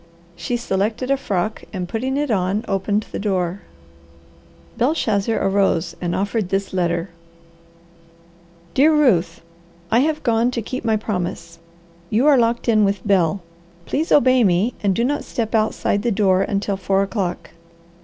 She selected a frock and putting it on opened the door. Belshazzar arose and offered this letter: DEAR RUTH: I have gone to keep my promise. You are locked in with Bel. Please obey me and do not step outside the door until four o'clock.